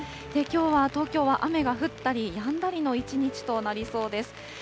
きょうは東京は雨が降ったり、やんだりの一日となりそうです。